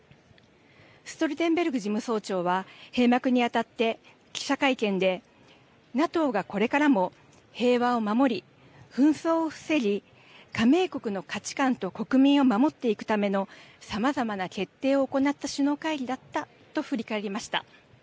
ストルテンベルグ事務総長は閉幕にあたって記者会見でＮＡＴＯがこれからも平和を守り紛争を防ぎ加盟国の価値観と国民を守っていくためのさまざまな決定を行った首脳会議だったと振り返りました。